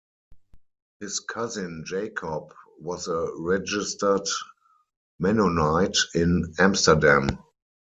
His cousin Jacob was a registered Mennonite in Amsterdam.